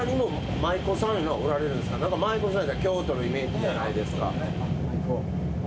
舞妓さんいうたら、京都のイメージじゃないですか。